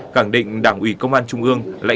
cẳng định đảng ủy công an trung ương